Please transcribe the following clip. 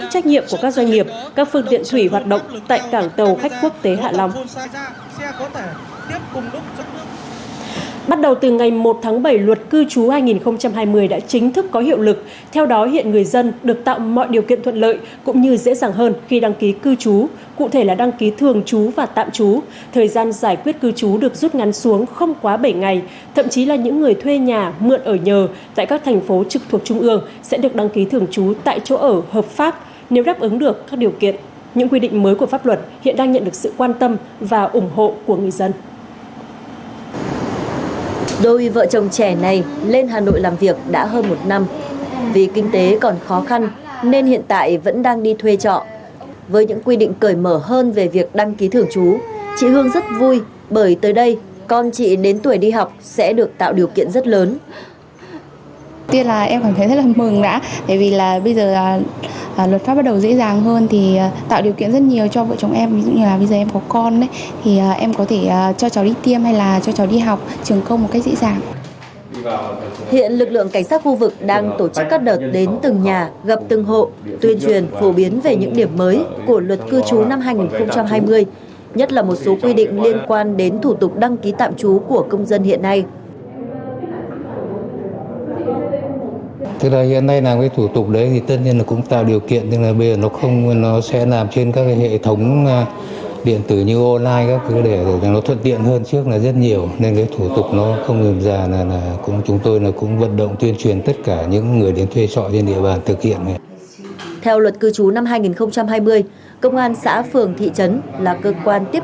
hiện lực lượng cảnh sát khu vực đang tổ chức các đợt đến từng nhà gặp từng hộ tuyên truyền phổ biến về những điểm mới của luật cư trú năm hai nghìn hai mươi nhất là một số quy định liên quan đến thủ tục đăng ký tạm trú của công dân hiện nay